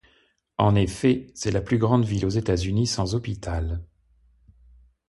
En effet, c'est la plus grande ville aux États-Unis sans hôpital.